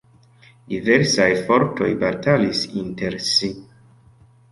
Diversaj fortoj batalis inter si.